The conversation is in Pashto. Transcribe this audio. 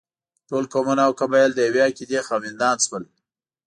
ټول قومونه او قبایل د یوې عقیدې خاوندان شول.